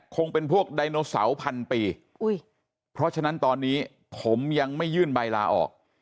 คงเป็นพวกไดโนเสาร์พันปีเพราะฉะนั้นตอนนี้ผมยังไม่ยื่นใบลาออก